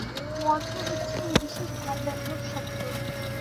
মন্ত্র হচ্ছে ঐ বিশেষ ভাব-ব্যঞ্জক শব্দ।